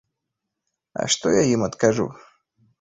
А што я ім адкажу?